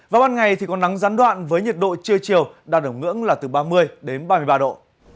vào ban ngày thì có nắng gián đoạn với nhiệt độ trưa chiều đạt ở ngưỡng là từ ba mươi đến ba mươi ba độ